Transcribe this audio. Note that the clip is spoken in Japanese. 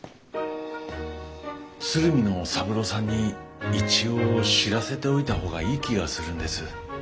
鶴見の三郎さんに一応知らせておいた方がいい気がするんです。